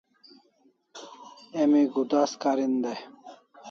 Emi gudas karin dai